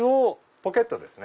ポケットですね。